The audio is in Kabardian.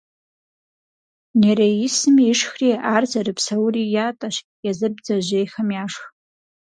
Нереисым ишхри ар зэрыпсэури ятӀэщ, езыр бдзэжьейхэм яшх.